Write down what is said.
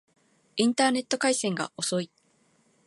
インターネット回線が遅い